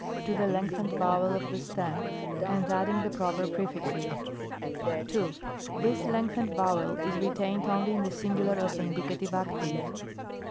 to the lengthened vowel of the stem, and adding the proper prej&xes. 2. This lengthened vowel is retamed only in the singular of the Indicative Active.